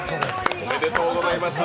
おめでとうございます。